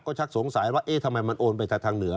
ก็ชักสงสัยว่าเอ๊ะทำไมมันโอนไปทางเหนือ